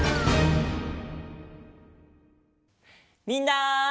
みんな。